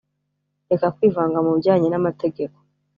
reka kwivanga mu bijyanye n amategeko